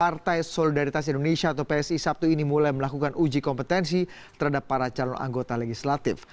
partai solidaritas indonesia atau psi sabtu ini mulai melakukan uji kompetensi terhadap para calon anggota legislatif